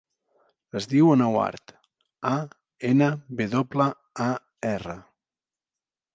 Es diu Anwar: a, ena, ve doble, a, erra.